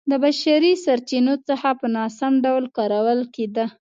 د بشري سرچینو څخه په ناسم ډول کارول کېده